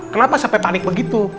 kenapa sampe panik begitu